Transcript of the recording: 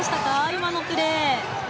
今のプレー。